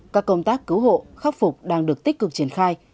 các công tác cứu hộ khắc phục đang được tích cực triển khai